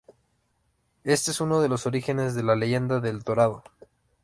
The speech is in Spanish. Este es uno de los orígenes de la leyenda de El Dorado.